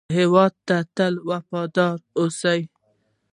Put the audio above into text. هېواد ته تل وفاداره اوسئ